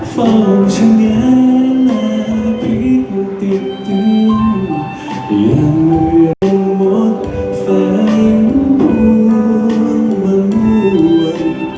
ฟ้าช่างแย้งแนบคิดติดตื่นยังเหมือนหมดไฟมุมมือ